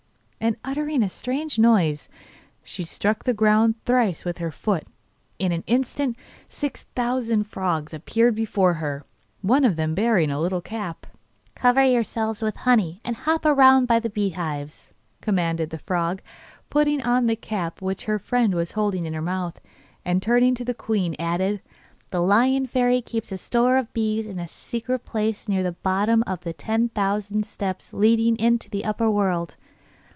And, uttering a strange noise, she struck the ground thrice with her foot. In an instant six thousand frogs appeared before her, one of them bearing a little cap. 'Cover yourselves with honey, and hop round by the beehives,' commanded the frog, putting on the cap which her friend was holding in her mouth. And turning to the queen, he added: 'The Lion Fairy keeps a store of bees in a secret place near to the bottom of the ten thousand steps leading into the upper world.